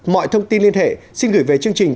mọi thông tin liên hệ xin gửi về chương trình